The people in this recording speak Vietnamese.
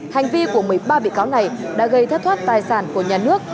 hành vi của một mươi ba bị cáo này đã gây thất thoát tài sản của nhà nước